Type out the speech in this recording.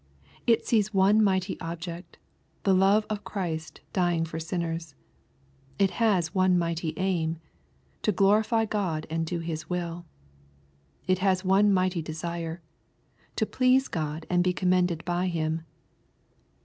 It sees one mighty object,— the love of Christ dying for sinners. It has one mighty aim, — to glorify God and do His wilL It has one mighty desire, — to please God and be com mended by Him.